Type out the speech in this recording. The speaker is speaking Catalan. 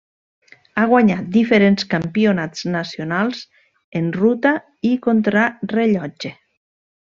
Ha guanyat diferents campionats nacionals en ruta i contrarellotge.